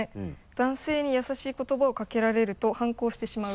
「男性にやさしい言葉をかけられると反抗してしまう」